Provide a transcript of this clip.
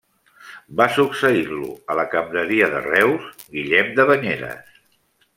Va succeir-lo a la cambreria de Reus Guillem de Banyeres.